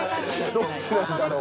どっちなんだろう。